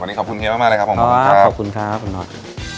วันนี้ขอบคุณเค้ามากเลยครับขอบคุณมากค่ะขอบคุณค่ะคุณหนอด